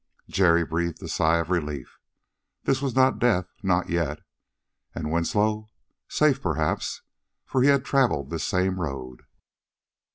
Jerry breathed a sigh of relief. This was not death not yet. And Winslow? Safe, perhaps, for he had traveled this same road.